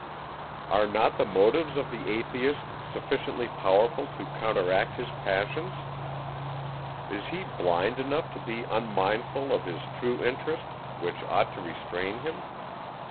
Are not the motives of the Atheist sufficiently powerful to counteract his passions? Is he blind enough to be unmindful of his true interest, which ought to restrain him?